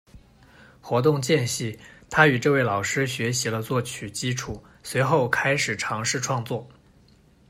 活动间隙，他与这位老师学习了作曲基础，随后开始尝试创作。